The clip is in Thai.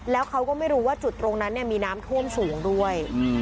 แล้วเขาก็ไม่รู้ว่าจุดตรงนั้นมีน้ำท่วมสูงด้วย